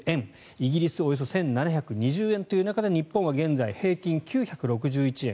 イギリスおよそ１７２０円という中で日本は現在、平均９６１円。